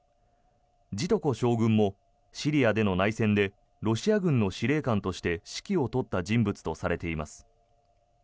ジトコ将軍もシリアでの内戦でロシア軍の司令官として指揮を執った人物とされています。